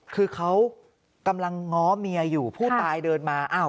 คือเขากำลังง้อเมียอยู่ผู้ตายเดินมาอ้าว